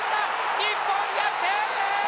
日本、逆転。